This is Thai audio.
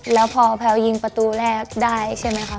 แล้วพอแพลวยิงประตูแรกได้ใช่ไหมคะ